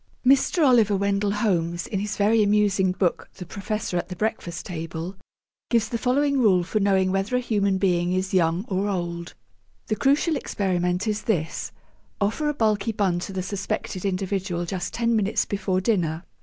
Mr. Oliver Wendell Holmes, in his very amusing book, 'The Professor at the Breakfast Table,' gives the following rule for knowing whether a human being is young or old: 'The crucial experiment is this offer a bulky bun to the suspected individual just ten minutes before dinner.